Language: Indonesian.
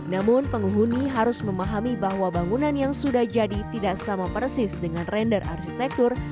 namun penghuni harus memahami bahwa bangunan yang sudah jadi tidak sama persis dengan render arsitektur